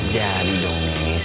jadi dong is